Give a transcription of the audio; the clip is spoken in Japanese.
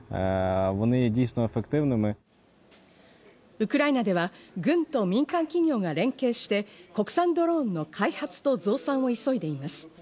ウクライナでは軍と民間企業が連携して、国産ドローンの開発と増産を急いでいます。